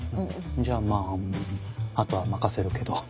じゃあまぁ後は任せるけど。